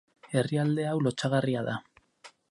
Herrialde hau lotsagarria da.